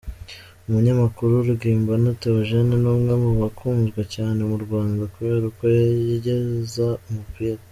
Umunyamakuru Rugimbana Theogene ni umwe mu bakunzwe cyane mu Rwanda kubera uko yogeza umupira.